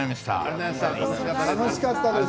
楽しかったです。